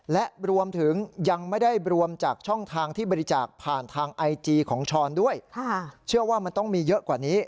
และรวมถึงยังไม่ได้รวมจากช่องทางที่บริจาคผ่านทางไอจีของช้อนด้วยเชื่อว่ามันต้องมีเยอะกว่านี้